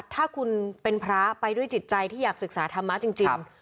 ถ้าคุณเป็นพระไปด้วยจิตใจที่อยากศึกษาธรรมะจริง